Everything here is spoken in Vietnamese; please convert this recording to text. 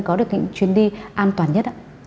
có được những chuyến đi an toàn nhất